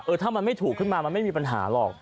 ถ้ามันไม่ถูกขึ้นมามันไม่มีปัญหาหรอก